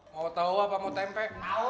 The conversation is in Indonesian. mau tahu apa mau tempe